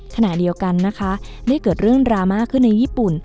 ขณะเดียวกันนะคะได้เกิดเรื่องดราม่าขึ้นในญี่ปุ่น